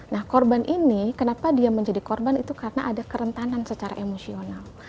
nah korban ini kenapa dia menjadi korban itu karena ada kerentanan secara emosional